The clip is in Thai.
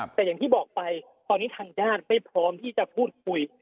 แต่อย่างที่บอกไปตอนนี้ทางญาติไม่พร้อมที่จะพูดคุย